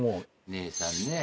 「姉さんね